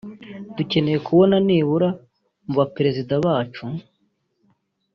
dukeneye kubona nibura mu Baperezida bacu